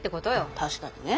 確かにね。